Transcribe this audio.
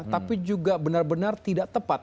tapi juga benar benar tidak tepat